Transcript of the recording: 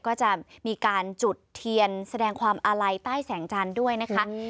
ก็จะมีการจุดเทียนแสดงความอาลัยใต้แสงจันทร์ด้วยนะคะ